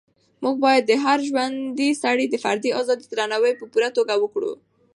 موږ باید د هر ژوندي سري د فردي ازادۍ درناوی په پوره توګه وکړو.